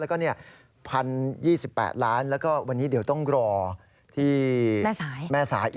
แล้วก็๑๐๒๘ล้านแล้วก็วันนี้เดี๋ยวต้องรอที่แม่สาอีก